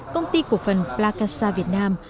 công ty cổ phần plakasa việt nam